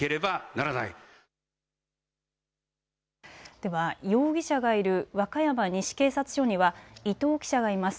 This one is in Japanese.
では容疑者がいる和歌山西警察署には伊藤記者がいます。